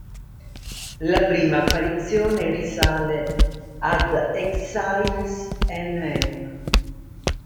La prima apparizione risale ad "Exiles" nn.